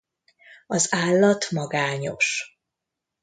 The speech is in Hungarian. Az állat magányos.